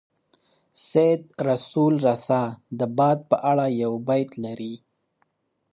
سید رسول رسا د باد په اړه یو بیت لري.